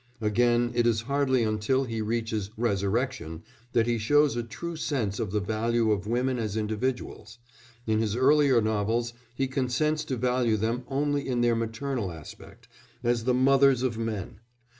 Again it is hardly until he reaches Resurrection that he shows a true sense of the value of women as individuals: in his earlier novels he consents to value them only in their maternal aspect, as the mothers of men.